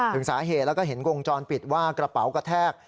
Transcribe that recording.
ถึงสาเหตุแล้วก็เห็นวงจรปิดว่ากระเป๋ากระแทก